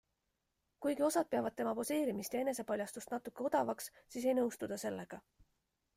Kuigi osad peavad tema poseerimist ja enesepaljastust natuke odavaks, siis ei nõustu ta sellega.